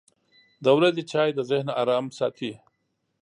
• د ورځې چای د ذهن ارام ساتي.